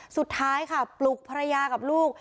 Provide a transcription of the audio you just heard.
สุดท้ายค่ะปลุกภรรยากับลูก